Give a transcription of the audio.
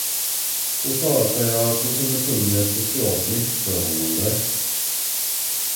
Hon sade sig ha kommit underfund med ett socialt missförhållande.